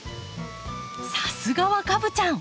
さすがはカブちゃん！